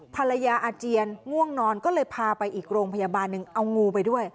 อาเจียนง่วงนอนก็เลยพาไปอีกโรงพยาบาลหนึ่งเอางูไปด้วย